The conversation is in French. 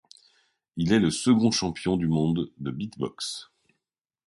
Il est le second champion du monde de beatbox.